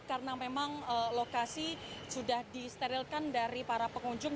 karena memang lokasi sudah disterilkan dari para pengunjung